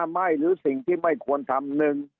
ไม่หรือสิ่งที่ไม่ควรทำ